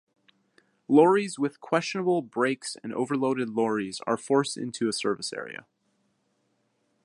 Lorries with questionable brakes and overloaded lorries are forced into a service area.